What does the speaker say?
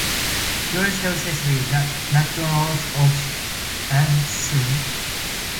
George Hill's history, "The MacDonnells of Antrim".